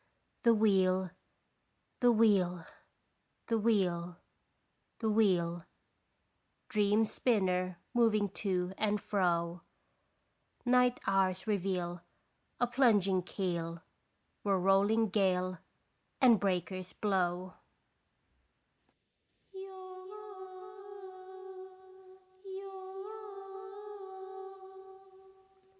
The wheel the wheel the wheel the wheel Dream spinner moving to and fro Night hours reveal a plunging keel Where rolling gale and breakers blow.